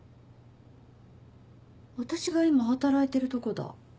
私が今働いてるとこだ。